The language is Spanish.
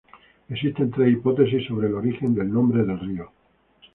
Existen tres hipótesis sobre el origen del nombre del río.